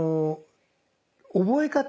覚え方。